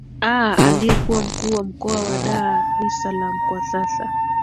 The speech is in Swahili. aah aliyekuwa mkuu wa mkoa wa dar es salam kwa sasa